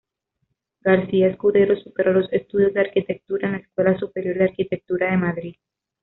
García-Escudero superó los estudios de arquitectura en la Escuela Superior de Arquitectura de Madrid.